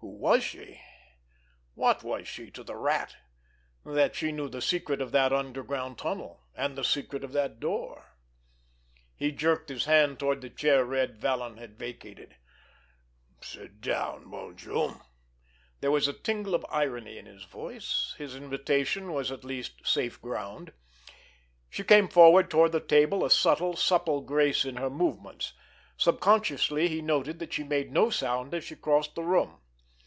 Who was she? What was she to the Rat, that she knew the secret of that underground tunnel, and the secret of that door? He jerked his hand toward the chair Red Vallon had vacated. "Sit down, won't you?" There was a tingle of irony in his voice. His invitation was at least safe ground. She came forward toward the table, a subtle, supple grace in her movements. Subconsciously he noted that she made no sound as she crossed the room.